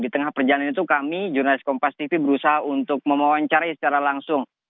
di tengah perjalanan itu kami jurnalis kompas tv berusaha untuk mewawancarai secara langsung